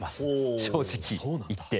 正直言って。